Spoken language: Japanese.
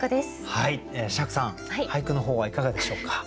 釈さん俳句の方はいかがでしょうか？